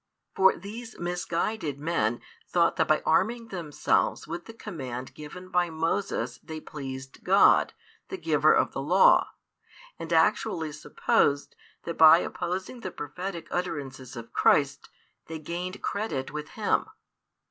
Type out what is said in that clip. For these misguided men thought that by arming themselves with the command given by Moses they pleased God, the Giver of the Law, and actually supposed, that by opposing the prophetic utterances of Christ, they gained credit with Him.